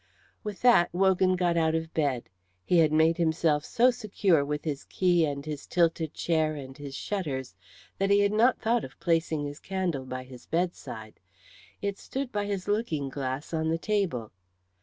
With that Wogan got out of bed. He had made himself so secure with his key and his tilted chair and his shutters that he had not thought of placing his candle by his bedside. It stood by his looking glass on the table.